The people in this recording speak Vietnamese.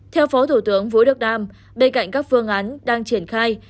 theo phó thủ tướng vũ đức đam bên cạnh các phương án đang triển khai